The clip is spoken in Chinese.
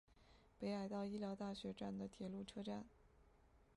北海道医疗大学站的铁路车站。